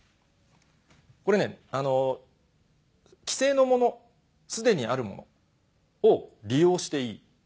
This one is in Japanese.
これ既成のもの既にあるものを利用していい。